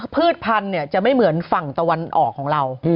พืชพันธุ์จะไม่เหมือนฝั่งตะวันออกของเรา